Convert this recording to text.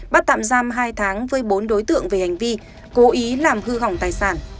bắt tạm giam hai tháng với bốn đối tượng về hành vi cố ý làm hư hỏng tài sản